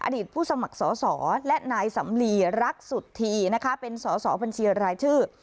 ผู้สมัครสอสอและนายสำลีรักสุธีนะคะเป็นสอสอบัญชีรายชื่อ